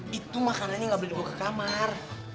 hei itu makanannya gak boleh dibawa ke kamar